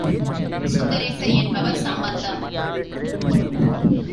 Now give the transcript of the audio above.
சுந்தரேசன் என்பவர், சம்பந்தம்!